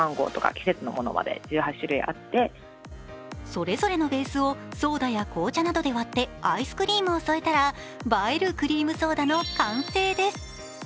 それぞれのベースをソーダや紅茶などで割ってアイスクリームを添えたら映えるクリームソーダの完成です。